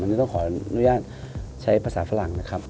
อันนี้ต้องขออนุญาตใช้ภาษาฝรั่งนะครับ